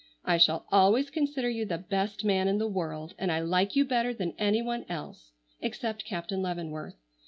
I shall always consider you the best man in the world, and I like you better than anyone else except Captain Leavenworth.